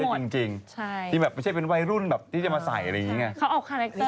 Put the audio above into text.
ไม่ใช่วัยรุ่นที่จะมาใส่อะไรแบบนี้